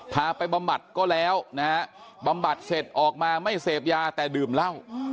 พาไปบำบัดก็แล้วนะฮะบำบัดเสร็จออกมาไม่เสพยาแต่ดื่มเหล้า